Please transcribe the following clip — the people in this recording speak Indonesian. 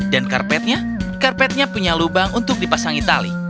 dan karpetnya karpetnya punya lubang untuk dipasangin tali